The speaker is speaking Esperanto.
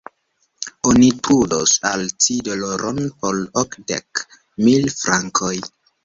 Oni trudos al ci doloron por okdek mil frankoj.